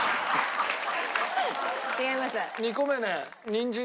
違います。